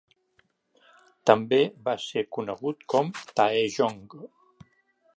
També va ser conegut com Taejong.